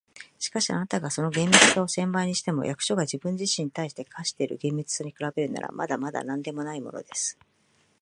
「しかし、あなたがその厳密さを千倍にしても、役所が自分自身に対して課している厳密さに比べるなら、まだまだなんでもないものです。